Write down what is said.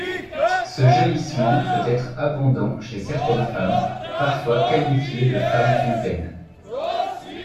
Ce jaillissement peut être abondant chez certaines femmes, parfois qualifiées de femmes fontaine.